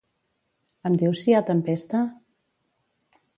Em dius si hi ha tempesta?